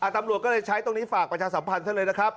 ตำรวจก็เลยใช้ตรงนี้ฝากประชาสัมพันธ์ท่านเลยนะครับ